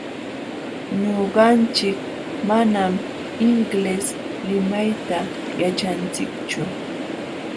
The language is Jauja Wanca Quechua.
Ñuqanchik manam inglés limayta yaćhanchikchu.